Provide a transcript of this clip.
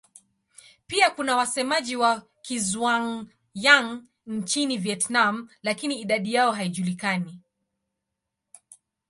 Pia kuna wasemaji wa Kizhuang-Yang nchini Vietnam lakini idadi yao haijulikani.